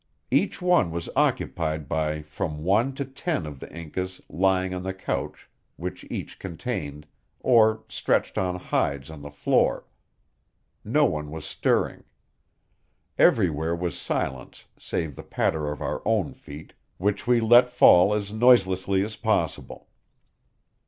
Each one was occupied by from one to ten of the Incas lying on the couch which each contained, or stretched on hides on the floor. No one was stirring. Everywhere was silence save the patter of our own feet, which we let fall as noiselessly as possible.